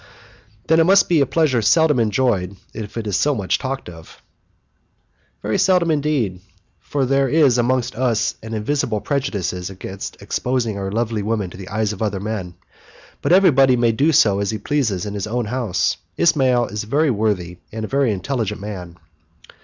"Then it must be a pleasure seldom enjoyed, if it is so much talked of?" "Very seldom indeed, for there is amongst us an invincible prejudice against exposing our lovely women to the eyes of other men; but everyone may do as he pleases in his own house: Ismail is a very worthy and a very intelligent man."